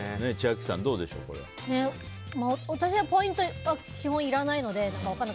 私はポイントは基本、いらないので。